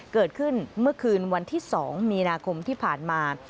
เกิดขึ้นเมื่อคืนวันที่๒มีนาคมที่ผ่านมา